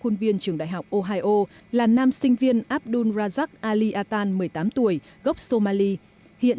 khuôn viên trường đại học ohio là nam sinh viên abdul razak ali attan một mươi tám tuổi gốc somali hiện